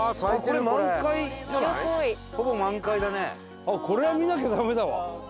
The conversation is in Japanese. これは見なきゃダメだわ。